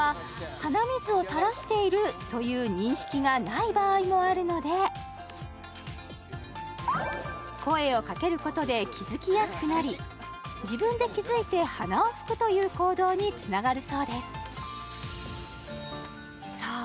鼻水を垂らしているという認識がない場合もあるので声をかけることで気づきやすくなり自分で気づいて鼻を拭くという行動につながるそうですさあ